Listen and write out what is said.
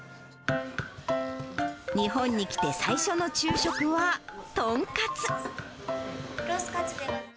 日本に来て最初の昼食は、豚カツ。